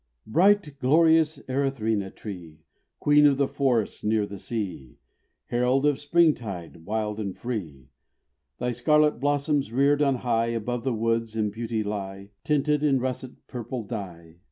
Bright, glorious Erythrina tree, Queen of the forests near the sea, Herald of springtide wild and free, Thy scarlet blossoms reared on high Above the woods in beauty lie, Tinted in russet purple dye.